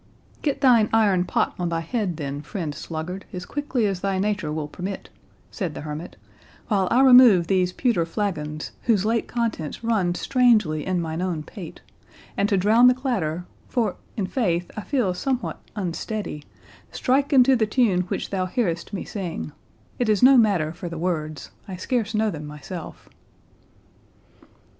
"Get thine iron pot on thy head then, friend Sluggard, as quickly as thy nature will permit," said the hermit, "while I remove these pewter flagons, whose late contents run strangely in mine own pate; and to drown the clatter—for, in faith, I feel somewhat unsteady—strike into the tune which thou hearest me sing; it is no matter for the words—I scarce know them myself."